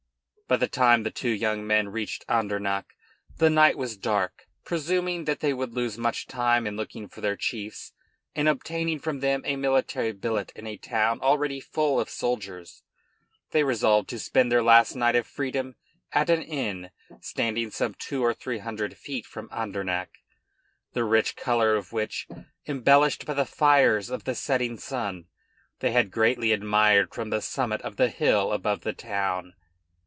] By the time the two young men reached Andernach the night was dark. Presuming that they would lose much time in looking for their chiefs and obtaining from them a military billet in a town already full of soldiers, they resolved to spend their last night of freedom at an inn standing some two or three hundred feet from Andernach, the rich color of which, embellished by the fires of the setting sun, they had greatly admired from the summit of the hill above the town.